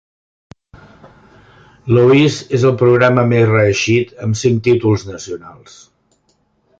Louis és el programa més reeixit, amb cinc títols nacionals.